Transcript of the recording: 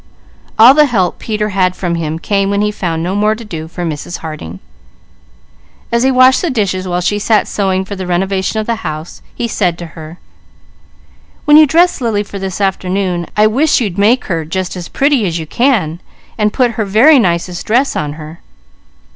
All the help Peter had from him came when he found no more to do for Mrs. Harding. As he washed the dishes while she sat sewing for the renovation of the house, he said to her: "When you dress Lily for this afternoon I wish you'd make her just as pretty as you can, and put her very nicest dress on her."